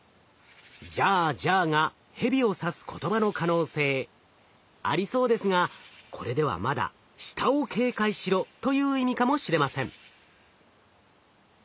「ジャージャー」がヘビを指す言葉の可能性ありそうですがこれではまだ「下を警戒しろ」という意味かもしれません。